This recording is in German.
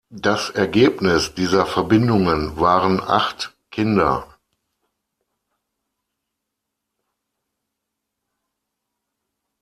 Das Ergebnis dieser Verbindungen waren acht Kinder.